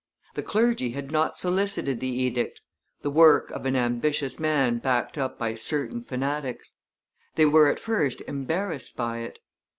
The clergy had not solicited the edict, the work of an ambitious man backed up by certain fanatics; they were at first embarrassed by it.